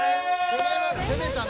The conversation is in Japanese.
攻めたね。